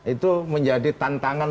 itu menjadi tantangan